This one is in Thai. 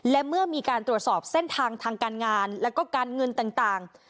และเมื่อมีการตรวจสอบเส้นทางทางการงานแล้วก็การเงินต่าง